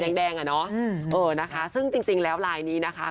แดงแดงอ่ะเนอะเออนะคะซึ่งจริงแล้วลายนี้นะคะ